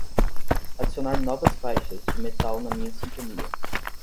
adicionar novas faixas de metal na minha sintonia